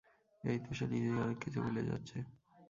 এই তো সে নিজেই অনেক কিছু ভুলে যাচ্ছে।